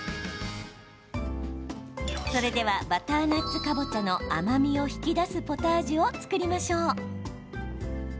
それではバターナッツかぼちゃの甘みを引き出すポタージュを作りましょう。